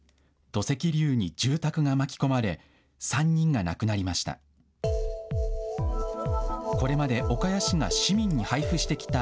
土石流に住宅が巻き込まれ、３人が亡くなりました。